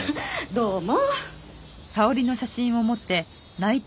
どうも。